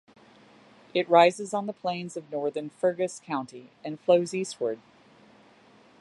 It rises on the plains of northern Fergus County and flows eastward.